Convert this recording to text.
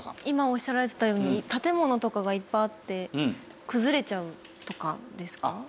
今おっしゃられてたように建物とかがいっぱいあって崩れちゃうとかですか？